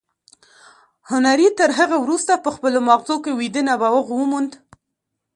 هنري تر هغه وروسته په خپلو ماغزو کې ویده نبوغ وموند